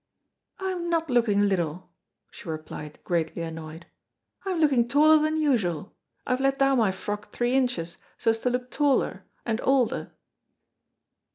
"I am not looking little," she replied, greatly annoyed, "I am looking taller than usual. I have let down my frock three inches so as to look taller and older."